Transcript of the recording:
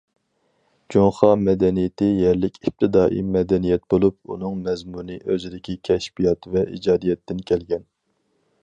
جۇڭخۇا مەدەنىيىتى يەرلىك ئىپتىدائىي مەدەنىيەت بولۇپ، ئۇنىڭ مەزمۇنى ئۆزىدىكى كەشپىيات ۋە ئىجادىيەتتىن كەلگەن.